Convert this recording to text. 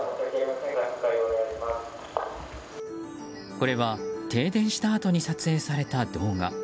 これは停電したあとに撮影された動画。